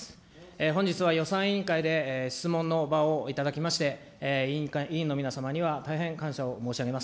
本日は予算委員会で質問の場を頂きまして、委員の皆様には大変感謝を申し上げます。